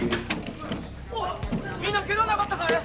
みんなケガはなかったかい？